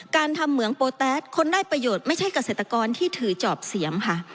การทำเหมืองโปรแตสคนได้ประโยชน์ไม่ใช่เกษตรกรที่ถือจอบเสียมค่ะ